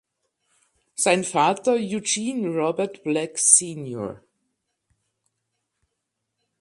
Sein Vater Eugene Robert Black Sr.